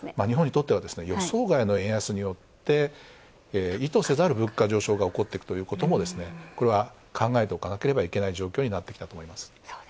日本にとっては、予想外の円安によって意図せざる物価上昇が起こっていくということもこれは考えておかなければいけない状況になってきたと思います。